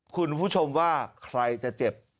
คุณผู้ชมว่าใครจะเจ็บ